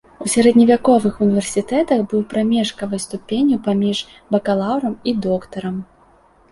У сярэдневяковых універсітэтах быў прамежкавай ступенню паміж бакалаўрам і доктарам.